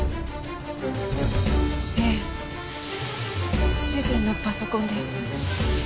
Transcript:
ええ主人のパソコンです。